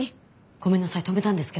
ごめんなさい止めたんですけど。